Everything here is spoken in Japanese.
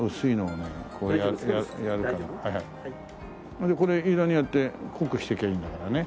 それでこれ色によって濃くしていきゃいいんだからね。